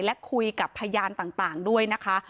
และคุยกับพยานต่างด้วยนะคะ